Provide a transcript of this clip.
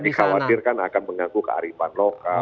jadi dikhawatirkan akan mengganggu kearifan lokal